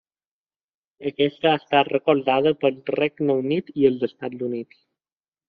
Aquesta ha estat recolzada pel Regne Unit i els Estats Units.